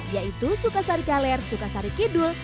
yaitu sukasari kaler sukasari kidul